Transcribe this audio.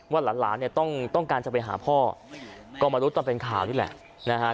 หลานเนี่ยต้องการจะไปหาพ่อก็มารู้ตอนเป็นข่าวนี่แหละนะฮะ